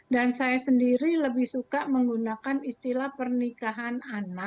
dan saya sendiri lebih suka menggunakan istilah pernikahan angka